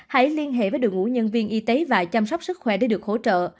hãy liên hệ với đội ngũ nhân viên y tế và chăm sóc sức khỏe để được hỗ trợ